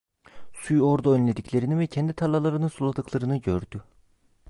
Suyu orada önlediklerini ve kendi tarlalarını suladıklarını gördü.